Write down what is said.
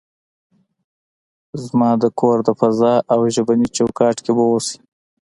زما د کور د فضا او ژبني چوکاټ کې به اوسئ.